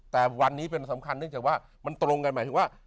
แต่วันนี้เป็นสำคัญเนื่องจากว่ามันตรงกันหมายถึงว่า